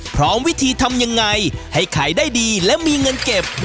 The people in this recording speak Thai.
พร้อมวิธีทำยังไงให้ขายได้ดีและมีเงินเก็บ